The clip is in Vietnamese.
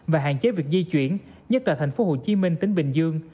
và hạn chế việc di chuyển nhất là thành phố hồ chí minh tỉnh bình dương